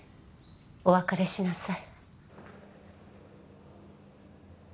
お別れしなさい。